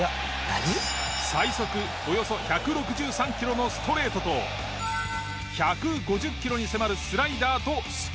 最速およそ１６３キロのストレートと１５０キロに迫るスライダーとスプリット。